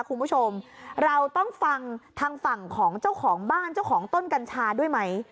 คุณผู้ชมเราต้องฟังทางฝั่งของเจ้าของบ้านเจ้าของต้นกัญชาด้วยไหม